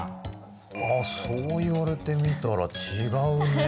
あそう言われてみたら違うね。